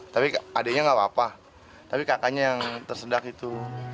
tapi adiknya nggak apa apa tapi kakaknya yang tersedak itu